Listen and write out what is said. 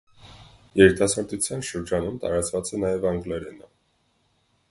Երիտասարդության շրջանում տարածված է նաև անգլերենը։